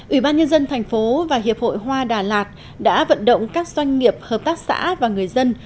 ủy ban nhân dân thành phố và hiệp hội hoa đà lạt đã vận động các doanh nghiệp hợp tác xã và người dân